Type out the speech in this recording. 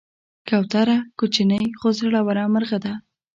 کوتره کوچنۍ خو زړوره مرغه ده.